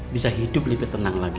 bisa hidup lebih tenang lagi